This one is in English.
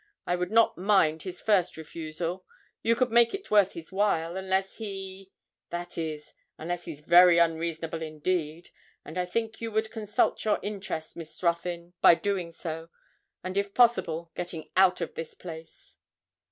I would not mind his first refusal. You could make it worth his while, unless he that is unless he's very unreasonable indeed; and I think you would consult your interest, Miss Ruthyn, by doing so and, if possible, getting out of this place.'